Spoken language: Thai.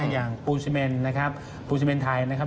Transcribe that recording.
อย่างปูชิเมนนะครับปูซิเมนไทยนะครับ